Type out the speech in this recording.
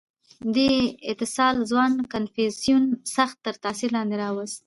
• دې اتصال ځوان کنفوسیوس سخت تر تأثیر لاندې راوست.